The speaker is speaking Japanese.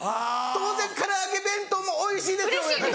当然唐揚げ弁当もおいしいですよ親方。